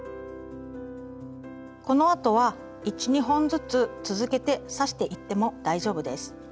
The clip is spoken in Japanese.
このあとは１２本ずつ続けて刺していっても大丈夫です。